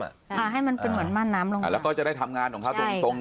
อ่าให้มันเป็นเหมือนมั่นน้ำลงมาอ่าแล้วเขาจะได้ทำงานของเขาตรงตรง